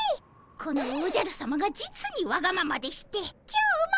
このおじゃるさまが実にわがままでして今日も。